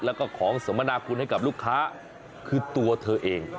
แล้วก็ของสมนาคุณให้กับลูกค้าคือตัวเธอเอง